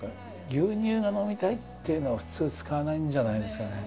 「牛乳が飲みたい」というのは普通使わないんじゃないですかね。